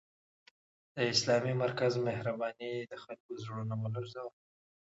د اسلامي مرکز مهربانۍ د خلکو زړونه ولړزول